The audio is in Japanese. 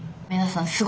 皆さん